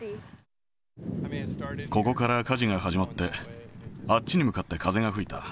ここから火事が始まって、あっちに向かって風が吹いた。